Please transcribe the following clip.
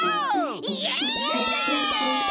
イエイ！